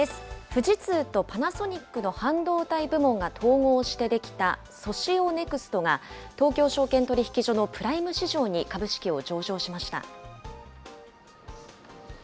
富士通とパナソニックの半導体部門が統合してできたソシオネクストが、東京証券取引所のプライム市場に株式を上場しました。